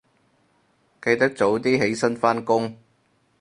記得早啲起身返工